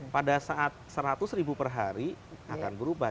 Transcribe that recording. pada saat seratus ribu per hari akan berubah